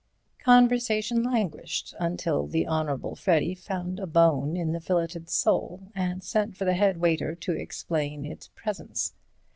Conversation languished until the Honourable Freddy found a bone in the filleted sole, and sent for the head waiter to explain its presence.